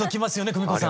クミコさん。